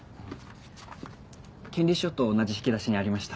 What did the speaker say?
権利書と同じ引き出しにありました。